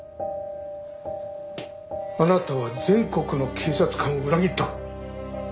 あなたは全国の警察官を裏切った。